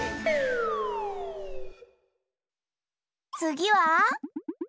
つぎは？